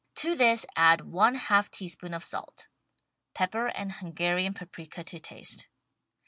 To this add one half teaspoon of salt — pepper and Hun garian paprika to taste.